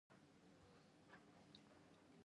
د ډوډۍ وروسته شکر ایستل کیږي.